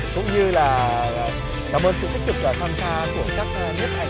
mang xuân về nhà đã đoạt giải nhất